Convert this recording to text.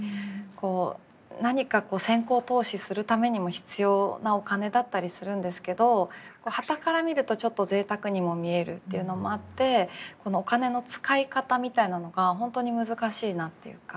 こう何か先行投資するためにも必要なお金だったりするんですけどはたから見るとちょっと贅沢にも見えるっていうのもあってこのお金の使い方みたいなのが本当に難しいなっていうか。